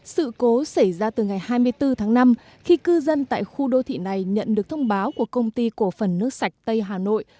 sự cố xảy ra từ ngày hai mươi bốn tháng năm khi cư dân tại khu đô thị này nhận được thông báo của công ty cổ phần nước sạch tây hà nội